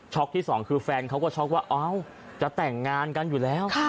ที่สองคือแฟนเขาก็ช็อกว่าเอ้าจะแต่งงานกันอยู่แล้ว